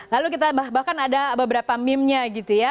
lalu kita bahkan ada beberapa meme nya gitu ya